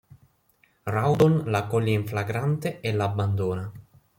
Rawdon la coglie in flagrante e la abbandona.